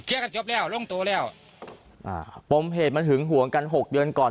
กันจบแล้วลงตัวแล้วอ่าปมเหตุมันหึงห่วงกันหกเดือนก่อน